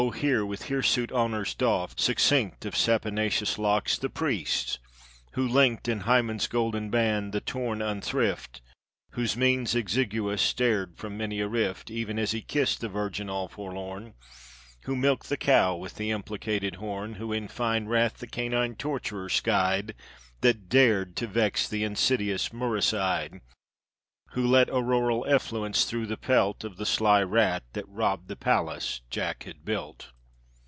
here, with hirsute honors doffed, succinctOf saponaceous locks, the priest who linkedIn Hymen's golden bands the torn unthrift, Whose means exiguous stared from many a rift, Even as he kissed the virgin all forlorn, Who milked the cow with the implicated horn, Who in fine wrath the canine torturer skied, That dared to vex the insidious muricide, Who let auroral effluence through the peltOf the sly rat that robbed the palace Jack had built.